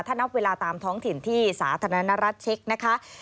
ถ้านับเวลาตามท้องถิ่นที่สาธารณรัฐเช็คนะคะ